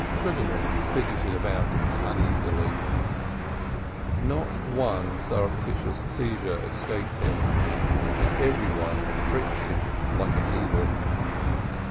Sugarman fidgeted about uneasily; not one surreptitious seizure escaped him, and every one pricked him like a needle.